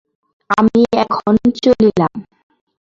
আমি এখন চলিলাম!